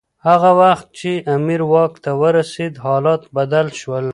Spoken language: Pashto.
هغه وخت چي امیر واک ته ورسېد حالات بدل شول.